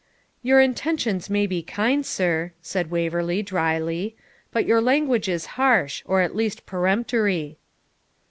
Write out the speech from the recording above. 'Your intentions may be kind, sir,' said Waverley, drily; 'but your language is harsh, or at least peremptory.'